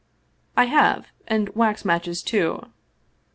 " I have, and wax matches, too."